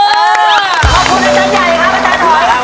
ขอบคุณอาจารย์ใหญ่ครับอาจารย์หอยครับ